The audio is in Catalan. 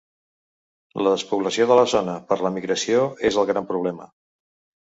La despoblació de la zona per l’emigració és el gran problema.